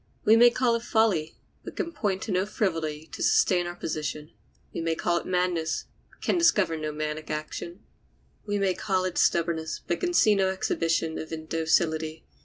We may call it folly, but can point to no frivolity to sustain our position. We may call it madness, but can discover no maniac action. We may call it stubborness, but can see no exhibition of indocility.